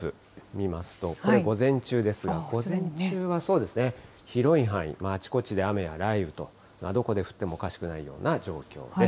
見ますと、これ午前中ですが、午前中は広い範囲、あちこちで雨や雷雨と、どこで降ってもおかしくないような状況です。